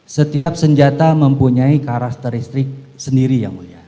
setiap senjata mempunyai karakteristik sendiri yang mulia